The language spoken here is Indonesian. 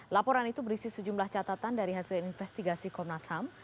laporan itu berisi sejumlah catatan dari hasil investigasi komnas ham